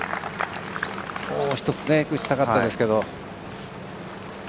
もう１つ打ちたかったですけど。